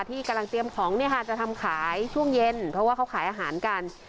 ที่กำลังเตรียมของเนี่ยค่ะจะทำขายช่วงเย็นเพราะว่าเขาขายอาหารกัน